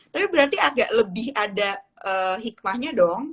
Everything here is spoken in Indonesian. tapi berarti agak lebih ada hikmahnya dong